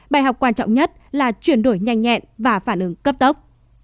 bài học quan trọng nhất là chuyển đổi nhanh nhẹn và phản ứng cấp tốc